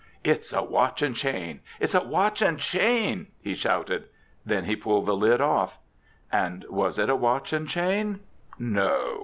"It's a watch and chain! It's a watch and chain!" he shouted. Then he pulled the lid off. And was it a watch and chain? No.